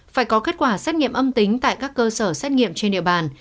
phải có kết quả xét nghiệm âm tính tại các cơ sở xét nghiệm trên địa bàn